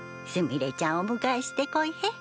すみれちゃんお迎えしてこいへ。